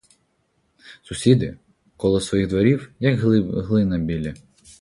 Сусіди — коло своїх дворів, як глина білі.